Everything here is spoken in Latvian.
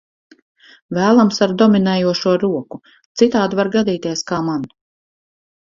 Vēlams ar dominējošo roku, citādi var gadīties, kā man.